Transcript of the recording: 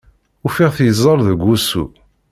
Ufiɣ-t yeẓẓel deg wusu.